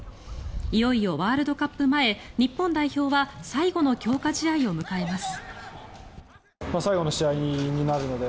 いよいよワールドカップ前日本代表は最後の強化試合を迎えます。